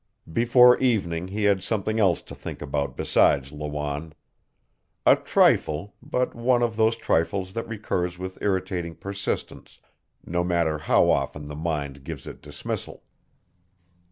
Before evening he had something else to think about besides Lawanne. A trifle, but one of those trifles that recurs with irritating persistence no matter how often the mind gives it dismissal.